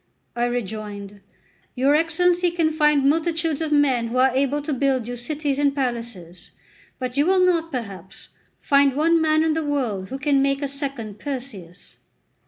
I rejoined: "Your Excellency can find multitudes of men who are able to build you cities and palaces, but you will not, perhaps, find one man in the world who could make a second Perseus."